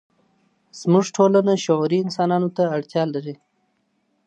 زموږ ټولنه شعوري انسانانو ته اړتيا لري.